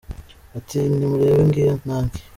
Ati: "Nimurebe ngiyo tanki